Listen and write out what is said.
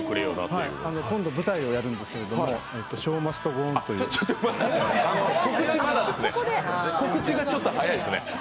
今度、舞台をするんですけど、「ショウ・マスト・ゴー・オン」というちょっ、ちょっと告知が早いですね。